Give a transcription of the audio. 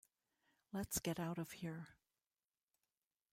Let's get out of here.